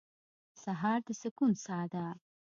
سهار د سکون ساه ده.